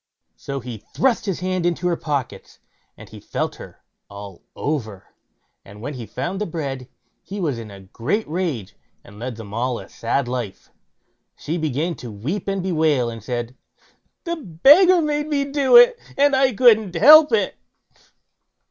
So he thrust his hand into all her pockets, and felt her all over, and when he found the bread, he was in a great rage, and led them all a sad life. She began to weep and bewail, and said: "The beggar made me do it, and I couldn't help it."